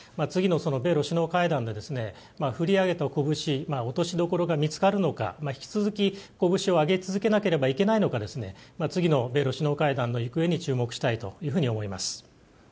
次の米露首脳会談で振り上げた拳落としどころが見つかるのか引き続き拳を上げ続けなければいけないのか次の米露首脳会談の行方に注目したいと思います。